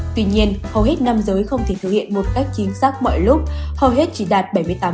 tuy nhiên hầu hết nam giới không thể thực hiện một cách chính xác mọi lúc hầu hết chỉ đạt bảy mươi tám